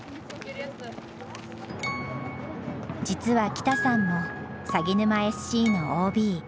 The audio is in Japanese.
実は北さんもさぎぬまＳＣのＯＢ。